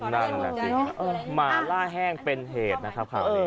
นั่นแหละสิหมาล่าแห้งเป็นเหตุนะครับค่ะ